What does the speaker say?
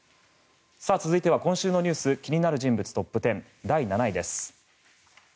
続いては、今週のニュース気になる人物トップ１０第７位です。